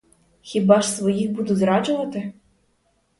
Хіба ж своїх буду зраджувати?